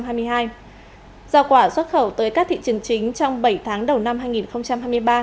do quả xuất khẩu tới các thị trường chính trong bảy tháng đầu năm hai nghìn hai mươi ba